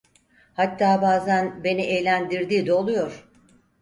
Hatta bazan beni eğlendirdiği de oluyor…